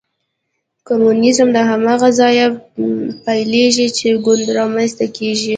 کمونیزم له هماغه ځایه پیلېږي چې ګوند رامنځته کېږي.